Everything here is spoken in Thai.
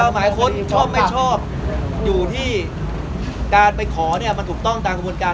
หมายค้นชอบไม่ชอบอยู่ที่การไปขอมันถูกต้องตามกระบวนการ